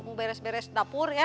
mau beres beres dapur ya